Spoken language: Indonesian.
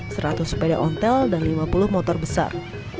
seratus sepeda ontel dan lima puluh motor besar